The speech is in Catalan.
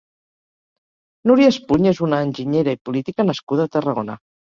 Núria Espuny és una enginyera i política nascuda a Tarragona.